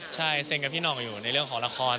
ใช่เซ็นกับพี่ห่องอยู่ในเรื่องของละคร